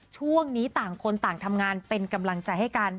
ช่วงนี้ต่างคนต่างทำงานเป็นกำลังใจให้กัน